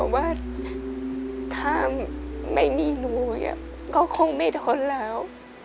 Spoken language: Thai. ว่าถ้าไม่มีหนูก็คงไม่ทนแล้ว